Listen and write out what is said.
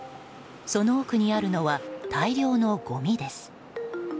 その奥にあるのは大量のごみです。